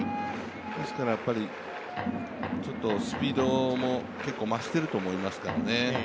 ですからやっぱりちょっとスピードも結構増してると思いますからね。